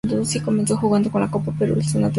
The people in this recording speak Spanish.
Comenzó jugando la Copa Perú en su natural Cañete.